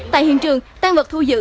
tại hiện trường tan vật thu giữ